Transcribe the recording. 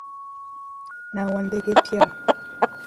Na wa ndenge pya